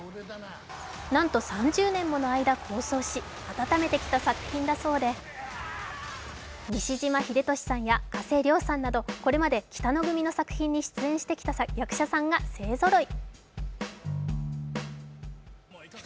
なんと３０年もの間構想し温めてきた作品だそうで、西島秀俊さんや加瀬亮さんなどこれまで北野組の作品に出演してきた役者さんが勢ぞろい。